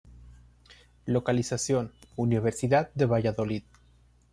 Localización: Universidad de Valladolid.